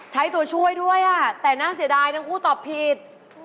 ใช้ตัวช่วยด้วยแต่น่าเสียดายทั้งคู่ตอบผิด